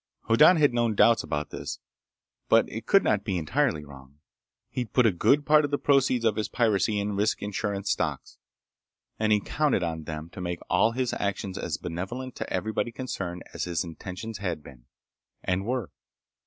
Hoddan had known doubts about this, but it could not be entirely wrong. He'd put a good part of the proceeds of his piracy in risk insurance stocks, and he counted on them to make all his actions as benevolent to everybody concerned as his intentions had been, and were.